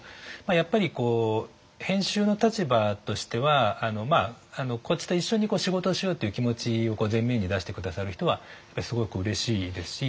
やっぱり編集の立場としてはこっちと一緒に仕事をしようっていう気持ちを前面に出して下さる人はすごくうれしいですし。